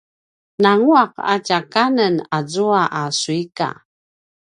nangua’ a tja kanen azua a suika!